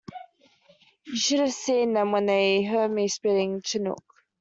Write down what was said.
You should have seen them when they heard me spitting Chinook.